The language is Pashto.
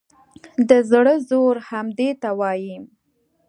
د زړه زور همدې ته وایي.